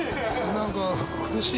何か苦しい。